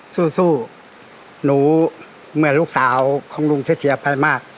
สู้หนูเมื่อลูกสาวของลุงที่เสียไปมาก